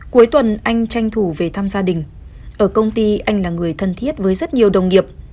cuối tuần anh tranh thủ về thăm gia đình ở công ty anh là người thân thiết với rất nhiều đồng nghiệp